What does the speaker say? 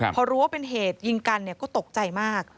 พอรู้ว่าเป็นเหตุยิงกันก็ตกใจมาก